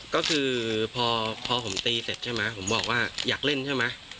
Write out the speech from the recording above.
ก็คือพอผมตีเสร็จใช่ไหมผมบอกว่าอยากเล่นใช่ไหม